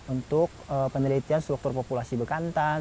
untuk penelitian struktur populasi bekantan